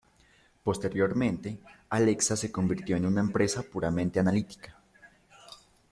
Posteriormente, Alexa se convirtió en una empresa puramente analítica.